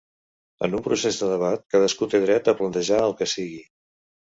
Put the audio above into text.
En un procés de debat cadascú té dret a plantejar el que sigui.